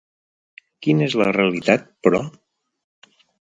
Quina és la realitat, però?